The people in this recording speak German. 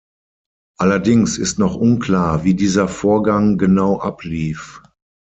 Allerdings ist noch unklar, wie dieser Vorgang genau ablief.